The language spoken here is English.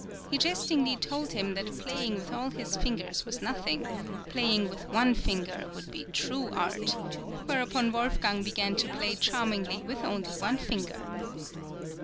He jestingly told him that playing with all his fingers was nothing; playing with one finger would be true art; whereupon Wolfgang began to play charmingly with only one finger.